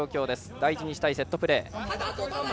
大事にしたいセットプレー。